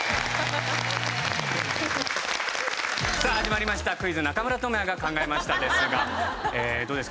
さあ始まりました「クイズ中村倫也が考えました」ですがどうですか？